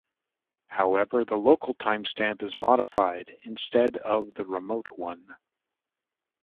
However, the local timestamp is modified instead of the remote one.